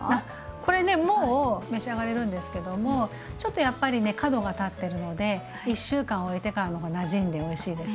これねもう召し上がれるんですけどもちょっとやっぱりね角が立ってるので１週間おいてからの方がなじんでおいしいです。